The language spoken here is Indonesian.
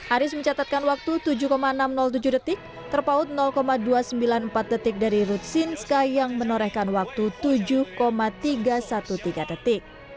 aris mencatatkan waktu tujuh enam ratus tujuh detik terpaut dua ratus sembilan puluh empat detik dari rutsinska yang menorehkan waktu tujuh tiga ratus tiga belas detik